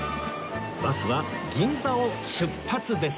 バスは銀座を出発です